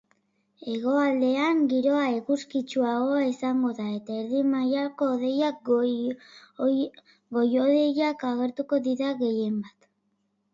Hegoaldean giroa eguzkitsuagoa izango da eta erdi-mailako hodeiak eta goi-hodeiak agertuko dira gehienbat.